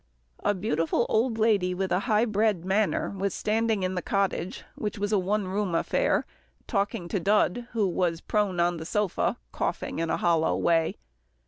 A beautiful old lady with a high bred manner, was standing in the cottage which was a one roomed affair, talking to Dud who was prone on the sofa coughing in a hollow way.